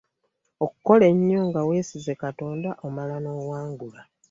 Okukola ennyo nga weesize Katonda omala n'owangula.